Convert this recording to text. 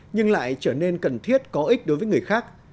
nhưng lại trở nên cần thiết có ích đối với người khác